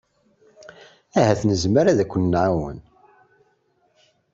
Ahat nezmer ad k-nɛawen.